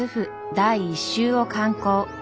第１集を刊行。